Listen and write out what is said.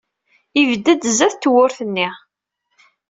Yebded sdat tewwurt-nni.